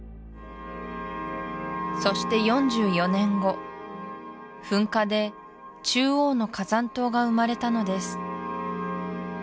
そして４４年後噴火で中央の火山島が生まれたのです